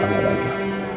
dan saya janji sama tante